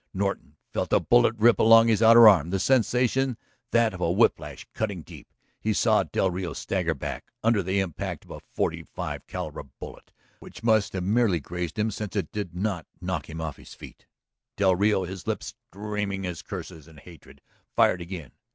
Norton felt a bullet rip along his outer arm, the sensation that of a whip lash cutting deep. He saw del Rio stagger back under the impact of a forty five caliber bullet which must have merely grazed him, since it did not knock him off his feet. Del Rio, his lips streaming his curses and hatred, fired again.